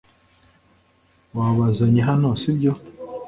wabazanye hano, si byo